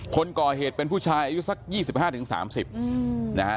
คนก่อเหตุเป็นผู้ชายอายุสัก๒๕๓๐นะฮะ